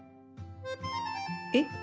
えっ？